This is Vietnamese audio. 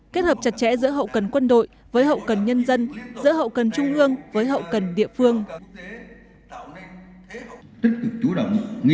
kết hợp chặt chẽ giữa hậu cần quân đội với hậu cần nhân dân giữa hậu cần trung ương với hậu cần địa phương